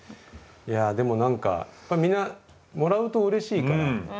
いやでも何かやっぱりみんなもらうとうれしいから。